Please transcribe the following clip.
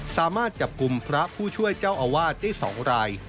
สามารถจับกลุ่มพระผู้ช่วยเจ้าอาวาสได้๒ราย